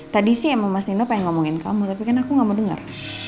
tadi sih emang mas dino pengen ngomongin kamu tapi kan aku gak mau dengar